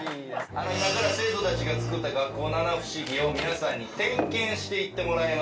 今から生徒たちが作った学校七不思議を皆さんに点検していってもらいます。